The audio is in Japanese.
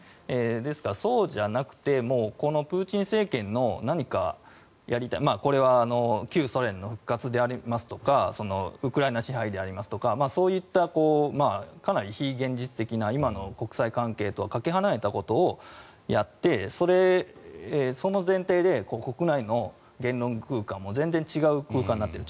ですから、そうじゃなくてこのプーチン政権の何かこれは旧ソ連の復活ですとかウクライナ支配でありますとかそういったかなり非現実的な今の国際関係とはかけ離れたことをやってその前提で国内の言論空間も全然違う空間になっている。